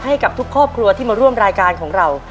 ให้กับทุกครอบครัวที่มาร่วมรายการของเรา